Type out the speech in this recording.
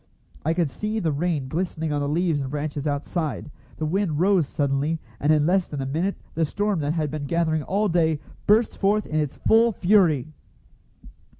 I could see the rain glistening on the leaves and branches outside. The wind rose suddenly, and in less than a minute the storm that had been gathering all day burst forth in its full fury.